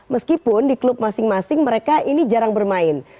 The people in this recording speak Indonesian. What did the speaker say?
meskipun di klub masing masing mereka ini jarang bermain